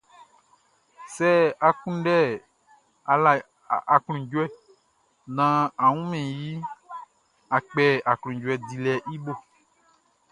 Sɛ a kunndɛ aklunjuɛ naan a wunmɛn iʼn, a kpɛ aklunjuɛ dilɛʼn i bo.